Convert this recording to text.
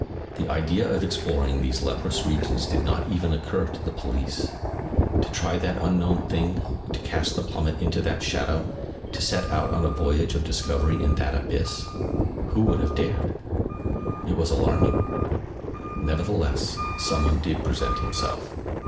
The idea of exploring these leprous regions did not even occur to the police. To try that unknown thing, to cast the plummet into that shadow, to set out on a voyage of discovery in that abyss—who would have dared? It was alarming. Nevertheless, some one did present himself.